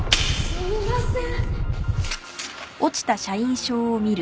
すいません。